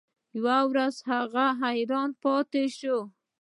یوه ورځ هغه حیران پاتې شو.